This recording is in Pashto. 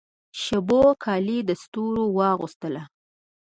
شېبو کالي د ستورو واغوستله